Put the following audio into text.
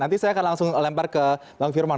nanti saya akan langsung lempar ke bang firman